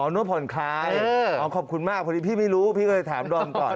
นวดผ่อนคลายอ๋อขอบคุณมากพอดีพี่ไม่รู้พี่ก็เลยถามดอมก่อน